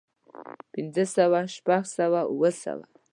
پنځۀ سوه شپږ سوه اووه سوه